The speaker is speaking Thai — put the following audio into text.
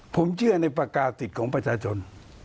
ผมเชื่อในปากกาติดของประชาชน